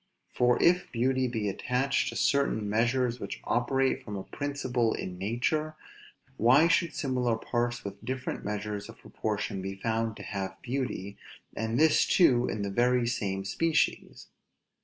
For if beauty be attached to certain measures which operate from a principle in nature, why should similar parts with different measures of proportion be found to have beauty, and this too in the very same species?